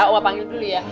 omah panggil dulu ya